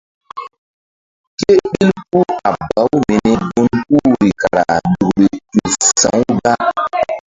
Ke ɓil puh a baw mini gun puhri kara nzukri tu sa̧-u da.